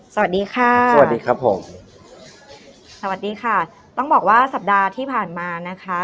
สวัสดีค่ะสวัสดีครับผมสวัสดีค่ะต้องบอกว่าสัปดาห์ที่ผ่านมานะคะ